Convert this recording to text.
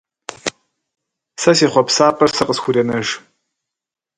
Сэ си хъуэпсапӏэр сэ къысхуренэж!